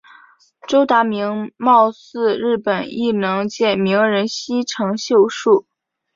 周达明貌似日本艺能界名人西城秀树。